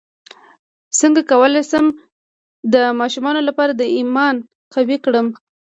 څنګه کولی شم د ماشومانو لپاره د ایمان قوي کړم